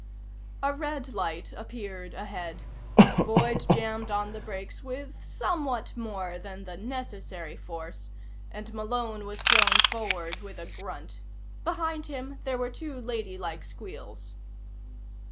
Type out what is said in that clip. A red light appeared ahead. Boyd jammed on the brakes with somewhat more than the necessary force, and Malone was thrown forward with a grunt. Behind him there were two ladylike squeals.